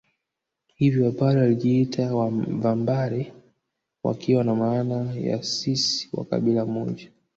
Hivyo Wapare walijiita Vambare wakiwa na maana ya sisi wa kabila moja